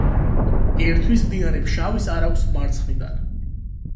ერთვის მდინარე ფშავის არაგვს მარცხნიდან.